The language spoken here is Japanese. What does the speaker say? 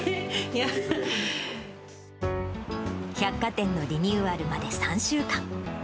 百貨店のリニューアルまで３週間。